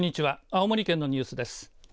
青森県のニュースです。